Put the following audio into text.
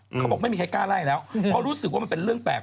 เขาบอกไม่มีใครกล้าไล่แล้วเพราะรู้สึกว่ามันเป็นเรื่องแปลก